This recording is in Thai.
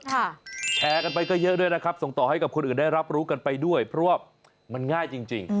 แชร์กันไปก็เยอะด้วยนะครับส่งต่อให้กับคนอื่นได้รับรู้กันไปด้วยเพราะว่ามันง่ายจริง